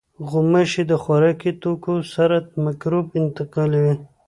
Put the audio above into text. غوماشې د خوراکي توکو سره مکروب انتقالوي.